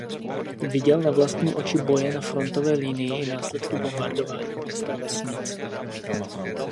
Viděl na vlastní oči boje na frontové linii i následky bombardování měst a vesnic.